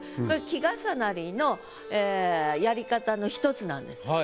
これ季重なりのやり方の一つなんです。